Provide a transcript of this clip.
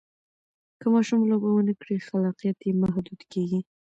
که ماشوم لوبه ونه کړي، خلاقیت یې محدود کېږي.